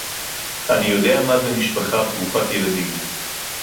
אני יודע מה זה משפחה ברוכת ילדים